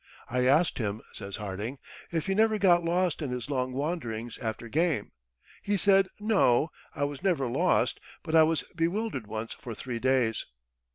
"I asked him," says Harding, "if he never got lost in his long wanderings after game? He said 'No, I was never lost, but I was bewildered once for three days.'"